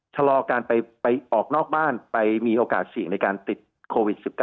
ชะลอการไปออกนอกบ้านไปมีโอกาสเสี่ยงในการติดโควิด๑๙